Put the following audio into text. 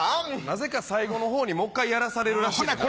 なぜか最後の方にもう一回やらされるらしいねんな。